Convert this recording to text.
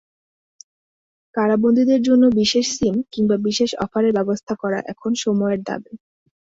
কারাবন্দীদের জন্য বিশেষ সিম, কিংবা বিশেষ অফারের ব্যবস্থা করা এখন সময়ের দাবি।